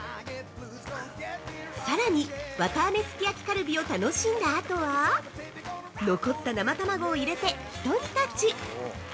◆さらに、わたあめすき焼きカルビを楽しんだ後は残った生卵を入れて、ひと煮たち。